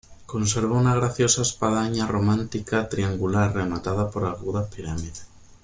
Conserva una graciosa espadaña románica triangular rematada por agudas pirámides.